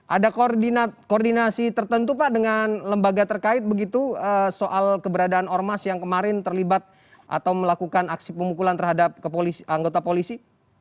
ada koordinasi tertentu pak dengan lembaga terkait begitu soal keberadaan ormas yang kemarin terlibat atau melakukan aksi pemukulan terhadap anggota polisi